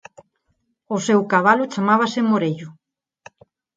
O seu cabalo chamábase Morello.